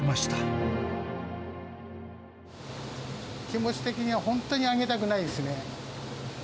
気持ち的には、本当に上げたくないですね。